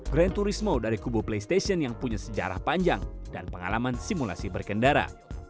grand tourismo dari kubu playstation yang punya sejarah panjang dan pengalaman simulasi berkendara